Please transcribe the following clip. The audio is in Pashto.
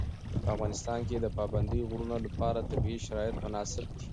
په افغانستان کې د پابندی غرونه لپاره طبیعي شرایط مناسب دي.